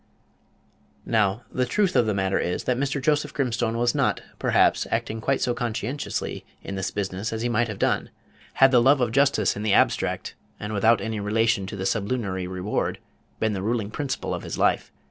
Now the truth of the matter is, that Mr. Joseph Grimstone was not, perhaps, acting quite so conscientiously in this business as he might have done, had the love of justice in the abstract, and without any relation to sublunary reward, been the ruling principle of his life.